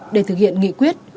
để thực hiện nghị quyết